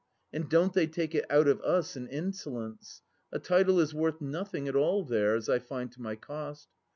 And don't they take it out of Us in insolence I A title is worth nothing at all there, as I find to my cost.